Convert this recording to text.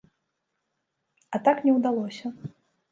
А так не ўдалося.